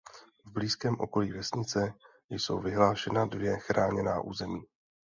V blízkém okolí vesnice jsou vyhlášena dvě chráněná území.